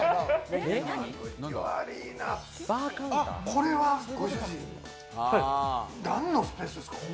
これはご主人、何のスペースですか？